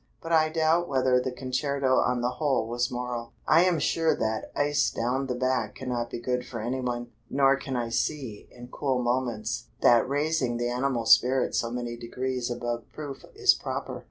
But I doubt whether the concerto on the whole was moral. I am sure that ice down the back cannot be good for anyone, nor can I see, in cool moments, that raising the animal spirits so many degrees above proof is proper.